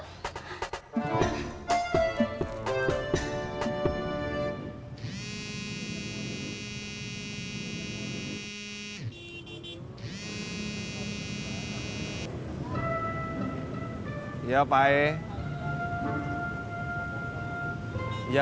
berapa banyak ya hati ya